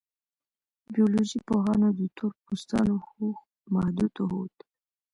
بیولوژي پوهانو د تور پوستانو هوښ محدود وښود.